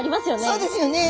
そうですよね。